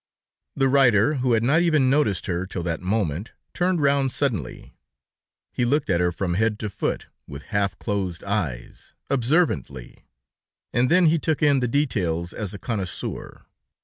The writer, who had not even noticed her till that moment, turned round suddenly; he looked at her from head to foot, with half closed eyes, observantly, and then he took in the details, as a connoisseur.